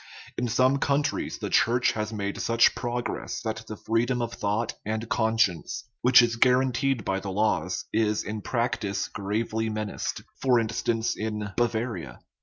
In some countries the Church has made such progress that the freedom of thought and conscience, which is guaranteed by the laws, is in practice gravely menaced (for instance, in Bavaria).